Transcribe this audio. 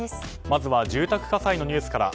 まずは住宅火災のニュースから。